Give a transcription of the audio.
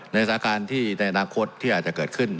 สถานการณ์ที่ในอนาคตที่อาจจะเกิดขึ้น